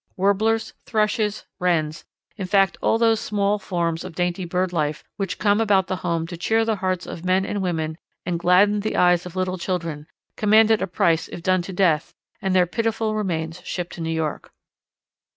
Warblers, Thrushes, Wrens, in fact all those small forms of dainty bird life which come about the home to cheer the hearts of men and women and gladden the eyes of little children, commanded a price if done to death and their pitiful remains shipped to New York.